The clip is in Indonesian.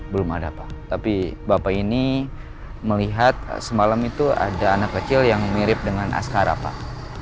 belum ada pak tapi bapak ini melihat semalam itu ada anak kecil yang mirip dengan askara pak